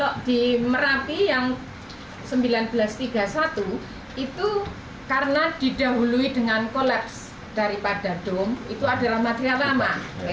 karena didahului dengan kolaps daripada dom itu adalah material lama